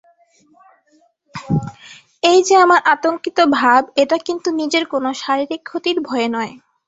এই যে আমার আতঙ্কিত ভাব এটা কিন্তু নিজের কোনো শারীরিক ক্ষতির ভয়ে নয়।